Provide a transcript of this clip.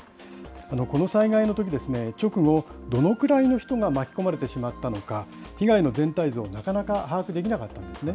この災害のとき、直後、どのくらいの人が巻き込まれてしまったのか、被害の全体像をなかなか把握できなかったんですね。